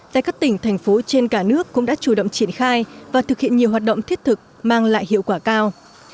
tại các tỉnh thành phố trên cả nước cũng đã chủ động triển khai và thực hiện nhiều hoạt động thiết thực mang lại hiệu quả cao